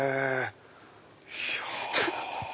いや。